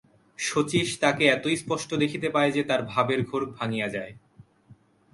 শচীশ তাকে এতই স্পষ্ট দেখিতে পায় যে তার ভাবের ঘোর ভাঙিয়া যায়।